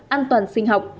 an toàn sinh học